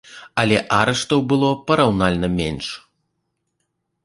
Але арыштаў было параўнальна менш.